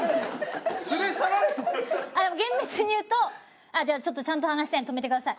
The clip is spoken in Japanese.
厳密に言うとじゃあちょっとちゃんと話したいんで止めてください。